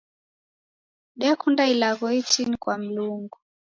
Ndekune ilagho itini kwa Mlungu.